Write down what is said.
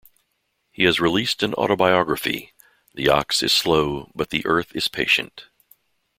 He has released an autobiography, "The Ox is Slow but the Earth is Patient".